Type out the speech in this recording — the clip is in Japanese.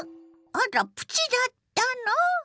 あらプチだったの！